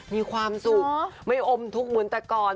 มีความสุขไม่อมทุกข์เหมือนแต่ก่อน